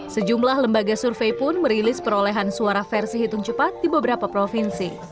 sejumlah lembaga survei pun merilis perolehan suara versi hitung cepat di beberapa provinsi